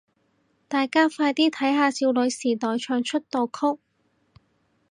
大家快啲睇下少女時代唱出道曲